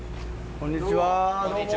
こんにちは。